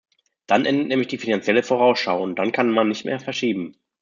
Dann endet nämlich die Finanzielle Vorausschau, und dann kann man nicht mehr verschieben.